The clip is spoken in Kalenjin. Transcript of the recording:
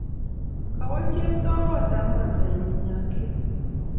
kowa chepto kotap mamaenyi Nyakio